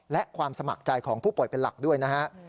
และความสมัครใจของผู้ป่วยเป็นหลักด้วยนะฮะ